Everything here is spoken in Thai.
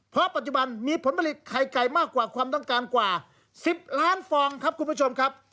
เพราะปัจจุบันมีผลผลิตไข่ไก่มากกว่าความต้องการกว่า๑๐ล้านฟองครับคุณผู้ชมครับ